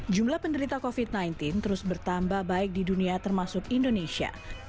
jumlah penderita covid sembilan belas terus bertambah baik di dunia termasuk indonesia